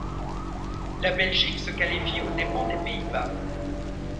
La Belgique se qualifie aux dépens des Pays-Bas.